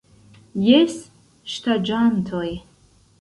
Jes ŝtaĝantoj...